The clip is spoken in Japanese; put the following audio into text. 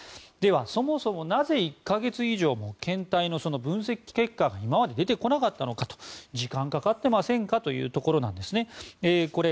では、そもそもなぜ１か月以上も検体の分析結果が今まで出てこなかったのかと時間かかっていませんかというところです。